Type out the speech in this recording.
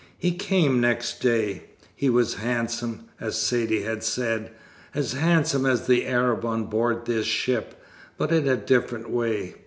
"He came next day. He was handsome, as Saidee had said as handsome as the Arab on board this ship, but in a different way.